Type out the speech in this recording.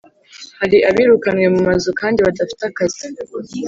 hari abirukanwe mu mazu kandi badafite akazi